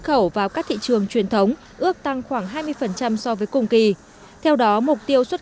khẩu vào các thị trường truyền thống ước tăng khoảng hai mươi so với cùng kỳ theo đó mục tiêu xuất